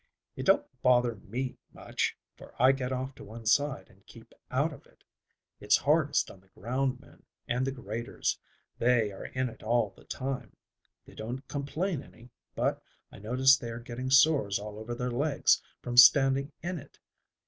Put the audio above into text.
It don't bother me much, for I get off to one side and keep out of it. It's hardest on the ground men and the graders. They are in it all the time. They don't complain any, but I notice they are getting sores all over their legs from standing in it.